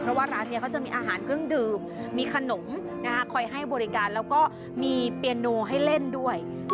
เพราะว่าร้านนี้เขาจะมีอาหารเครื่องดื่มมีขนมคอยให้บริการแล้วก็มีเปียโนให้เล่นด้วย